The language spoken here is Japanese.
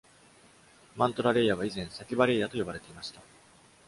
マントラレイヤは以前、サキバレイヤと呼ばれていました。